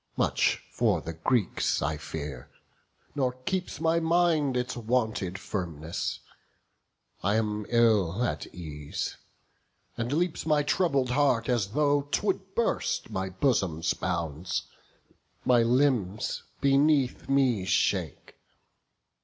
Much for the Greeks I fear; nor keeps my mind Its wonted firmess; I am ill at ease; And leaps my troubled heart as tho' 'twould burst My bosom's bounds; my limbs beneath me shake.